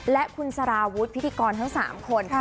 และคุณสารวุฒิพิธีกรทั้ง๓คน